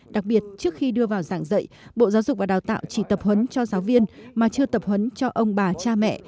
đặc biệt trước khi đưa vào giảng dạy bộ giáo dục và đào tạo chỉ tập huấn cho giáo viên mà chưa tập huấn cho ông bà cha mẹ